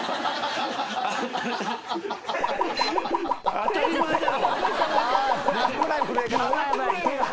当たり前だろ！